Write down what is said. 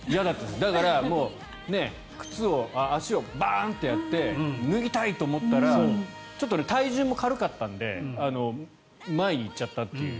だからもう靴を足をバーンとやって脱ぎたいと思ったらちょっと体重も軽かったので前に行っちゃったっていう。